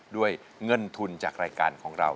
ด้วยเงินทุนจากรายการของเรา